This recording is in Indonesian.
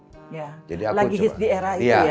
lagi di era itu ya